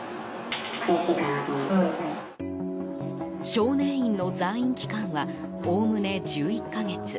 少年院の在院期間はおおむね１１か月。